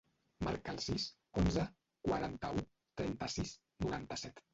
Marca el sis, onze, quaranta-u, trenta-sis, noranta-set.